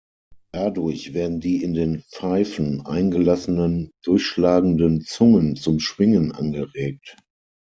Dadurch werden die in den Pfeifen eingelassenen durchschlagenden Zungen zum Schwingen angeregt.